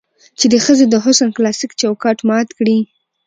چې د ښځې د حسن کلاسيک چوکاټ مات کړي